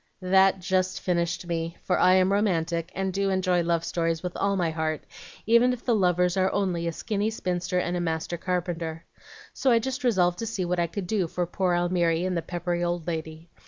"That just finished me, for I am romantic, and do enjoy love stories with all my heart, even if the lovers are only a skinny spinster and a master carpenter. So I just resolved to see what I could do for poor Almiry and the peppery old lady.